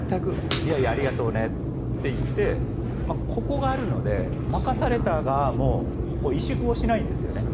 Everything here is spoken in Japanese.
いやいやありがとうねって言ってここがあるので任された側も萎縮しないんですよね。